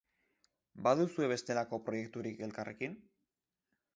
Baduzue bestelako proiekturik elkarrekin?